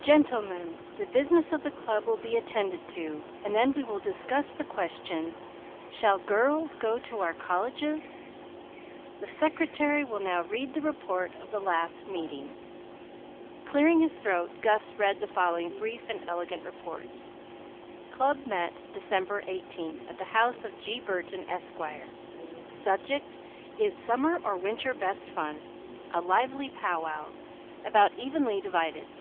"Gentlemen, the business of the club will be attended to, and then we will discuss the question, 'Shall girls go to our colleges?' The Secretary will now read the report of the last meeting." Clearing his throat, Gus read the following brief and elegant report: "Club met, December 18th, at the house of G. Burton, Esq. Subject: 'Is summer or winter best fun?' A lively pow wow. About evenly divided.